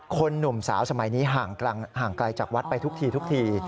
หนุ่มสาวสมัยนี้ห่างไกลจากวัดไปทุกทีทุกที